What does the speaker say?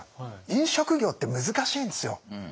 飲食業って難しいんですよ。